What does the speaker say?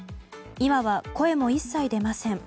今は声も一切出ません。